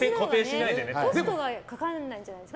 コストがかからないんじゃないですか